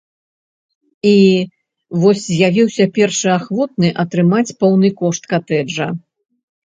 І вось з'явіўся першы ахвотны атрымаць поўны кошт катэджа.